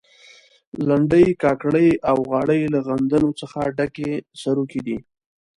لنډۍ، کاکړۍ او غاړې له غندنو څخه ډک سروکي دي.